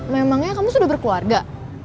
memangnya kamu sudah berkeluarga